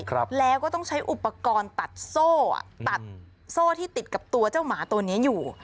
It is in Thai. ครับแล้วก็ต้องใช้อุปกรณ์ตัดโซ่อ่ะตัดโซ่ที่ติดกับตัวเจ้าหมาตัวนี้อยู่